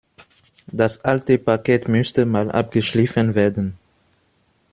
Das alte Parkett müsste Mal abgeschliffen werden.